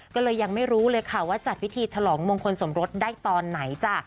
ก็เลยยังไม่รู้เลยค่ะว่าจัดพิธีฉลองมงคลสมรสได้ตอนไหนจ้ะ